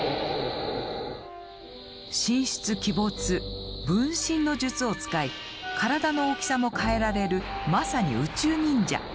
神出鬼没分身の術を使い体の大きさも変えられるまさに「宇宙忍者」。